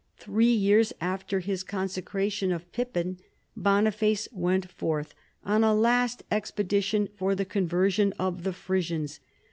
Three years after his consecration of Pippin, Boniface went forth on a last expedition for the conversion of the Frisians.